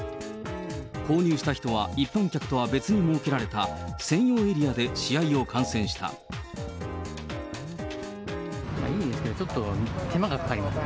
購入した人は一般客とは別に設けられた専用エリアで試合を観戦しいいんですけど、ちょっと手間がかかりますね。